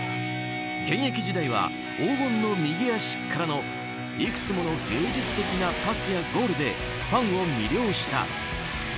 現役時代は黄金の右足からのいくつもの芸術的なパスやゴールでファンを魅了した。